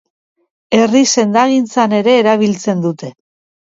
Herri sendagintzan ere erabiltzen dute.